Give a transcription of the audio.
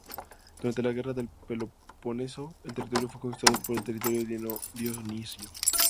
Durante la Guerra del Peloponeso, el territorio fue conquistado por el tirano Dionisio.